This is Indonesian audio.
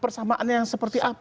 persamaan yang seperti apa